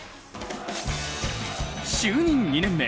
就任２年目